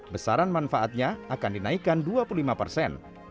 besaran manfaatnya akan dinaikkan dua puluh lima persen